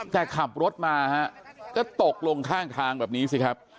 แต่ขับรถมาฮะก็ตกลงข้างทางแบบนี้สิครับ